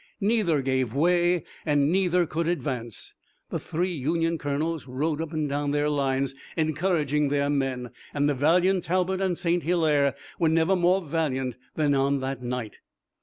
Neither gave way and neither could advance. The three Union colonels rode up and down their lines encouraging their men, and the valiant Talbot and St. Hilaire were never more valiant than on that night.